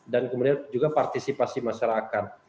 dan kemudian juga partisipasi masyarakat